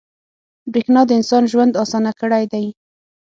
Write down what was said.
• برېښنا د انسان ژوند اسانه کړی دی.